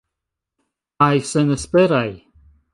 Kaj senesperaj.